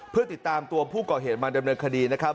เพื่อติดตามตัวผู้ก่อเหตุมาดำเนินคดีนะครับ